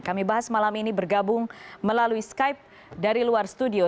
kami bahas malam ini bergabung melalui skype dari luar studio